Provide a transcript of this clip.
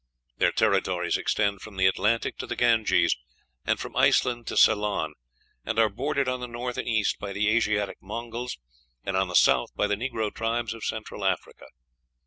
Their territories extend from the Atlantic to the Ganges, and from Iceland to Ceylon, and are bordered on the north and east by the Asiatic Mongols, and on the south by the negro tribes of Central Africa.